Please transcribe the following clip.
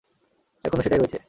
এখনো সেটাই রয়েছে।